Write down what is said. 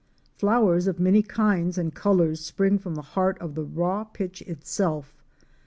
Flowers of many kinds and colors spring from the heart of the raw pitch itself.